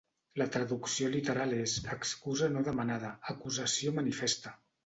La traducció literal és 'excusa no demanada, acusació manifesta'.